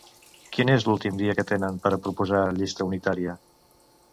Quin és l'últim dia que tenen per a proposar llista unitària?